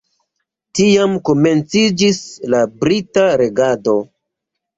Tiam komenciĝis la brita regado.